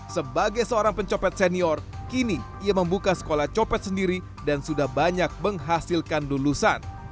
sebagai seorang pencopet senior kini ia membuka sekolah copet sendiri dan sudah banyak menghasilkan lulusan